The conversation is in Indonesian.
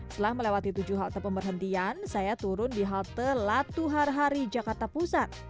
setelah melewati tujuh halte pemberhentian saya turun di halte latuharhari jakarta pusat